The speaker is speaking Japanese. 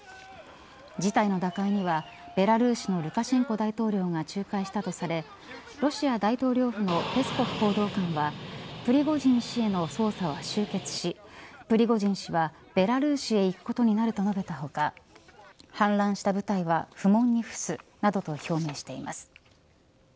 事態の打開には、ベラルーシのルカシェンコ大統領が仲介したとされロシア大統領府のペスコフ報道官はプリゴジン氏への捜査は終結しプリゴジン氏はベラルーシへ行くことになると述べた他反乱した部隊は不問に付すなどと表明しています。